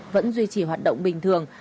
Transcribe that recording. vẫn duy trì hoạt động bình thường